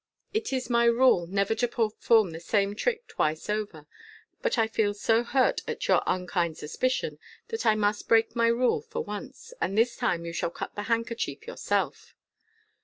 It is my rule never to perform the same trick twice over, but I feel so hurt at your unkind suspicion that I must break my rule for once, and this time you shall cut the handkerchief yourself."